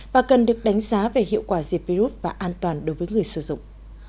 và cần được đánh giá về hiệu quả dịp virus và an toàn đối với người sử dụng